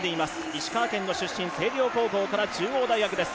石川県の出身、星稜高校から中央大学です。